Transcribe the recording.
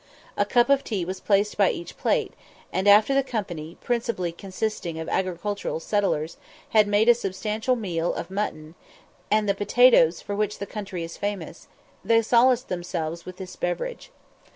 A cup of tea was placed by each plate; and after the company, principally consisting of agricultural settlers, had made a substantial meal of mutton, and the potatoes for which the country is famous, they solaced themselves with this beverage.